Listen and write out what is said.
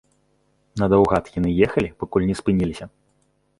Надаўгад яны ехалі, пакуль не спыніліся.